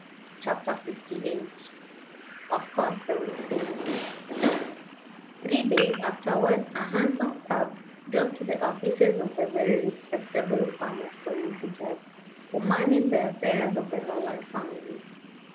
CHAPTER LVIII OF COURSE THEY WILL PAY THREE days afterwards a hansom cab drove to the offices of the very respectable firm of solicitors who managed the affairs of the Norland family.